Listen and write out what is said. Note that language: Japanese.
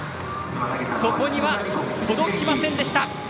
そこには届きませんでした。